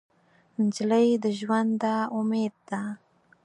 نجلۍ د ژونده امید ده.